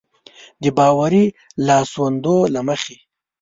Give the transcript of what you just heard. د باوري لاسوندو له مخې.